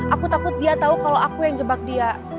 aku takut dia tau kalo aku yang jebak dia